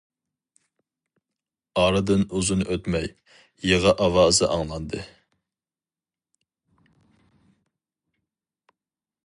ئارىدىن ئۇزۇن ئۆتمەي، يىغا ئاۋازى ئاڭلاندى.